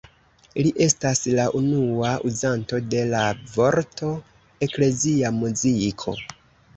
Li estas la unua uzanto de la vorto „eklezia muziko“.